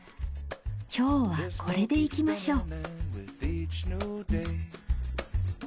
今日はこれでいきましょう。